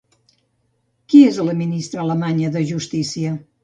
Qui és la ministra alemanya de Justícia?